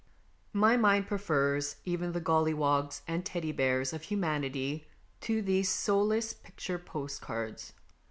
My mind prefers even the golliwogs and teddy bears of humanity to these soulless picture postcards.